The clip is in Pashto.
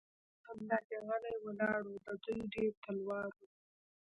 هغه بل یې همداسې غلی ولاړ و، د دوی ډېر تلوار و.